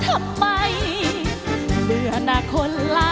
ก็จะมีความสุขมากกว่าทุกคนค่ะ